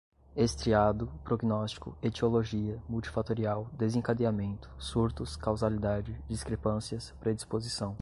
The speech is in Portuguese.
estriado, prognóstico, etiologia, multifatorial, desencadeamento, surtos, causalidade, discrepâncias, predisposição